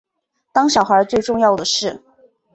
当小孩最重要的事